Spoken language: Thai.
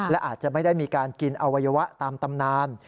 และอาจจะไม่ได้มีการกินอวัยวะตามตำนาน